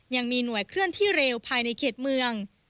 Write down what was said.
ยังมีหน่วยเคลื่อนที่เร็วภายในเขตเมือง